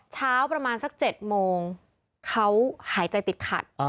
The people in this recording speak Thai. เช้าประมาณสัก๗โมงเขาหายใจติดขัด